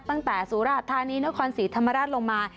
ตั้งแต่สุราชธานีนครศรีธรรมราชลงมา